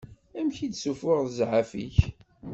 Amek i d-ssufuɣeḍ zɛaf-ik?